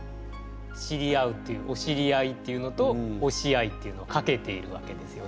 知り合うっていうお知り合いっていうのと押し合いっていうのをかけているわけですよね。